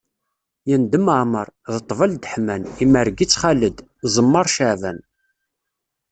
Yendem Ɛmeṛ, D Ṭṭbel Deḥman, Imerreg-itt Xaled, Ẓemmer Ceɛban.